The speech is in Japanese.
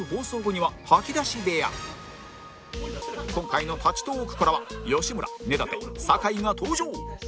今回の立ちトーークからは吉村根建酒井が登場